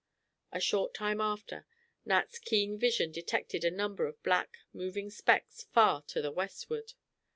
A short time after, Nat's keen vision detected a number of black, moving specks far to the westward.